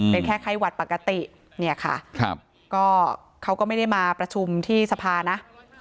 เป็นแค่ไข้หวัดปกติเนี่ยค่ะก็เขาก็ไม่ได้มาประชุมที่สภานะ